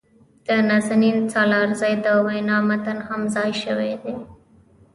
د نازنین سالارزي د وينا متن هم ځای شوي دي.